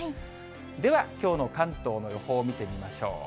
ではきょうの関東の予報を見てみましょう。